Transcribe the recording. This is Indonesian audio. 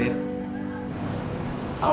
sampai jumpa lagi